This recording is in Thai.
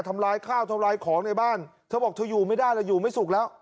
ทำลายข้าวทำลายของในบ้านเธอบอกเธออยู่ไม่ได้แล้วอยู่ไม่สุขแล้ว